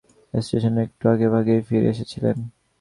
স্টেশনে একটু আগেভাগেই ফিরে এসেছিলাম।